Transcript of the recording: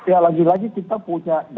ya lagi lagi kita punya